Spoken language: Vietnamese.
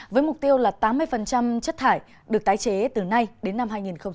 với mục tiêu là tám mươi chất thải được tái chế từ nay đến năm hai nghìn ba mươi